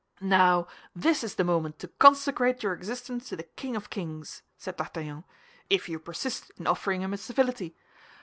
"Now this is the moment to consecrate your existence to the King of kings," said D'Artagnan, "if you persist in offering him a civility.